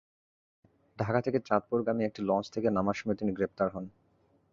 ঢাকা থেকে চাঁদপুরগামী একটি লঞ্চ থেকে নামার সময় তিনি গ্রেপ্তার হন।